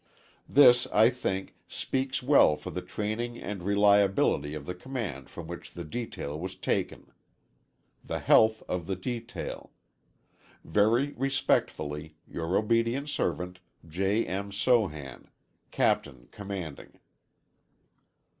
This, I think, speaks well for the training and reliability of the command from which the detail was taken. The health of the detail.... Very respectfully, Your obedient servant, J. M. SOHAN, Captain Commanding.